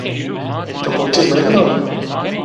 Ti kotî menda?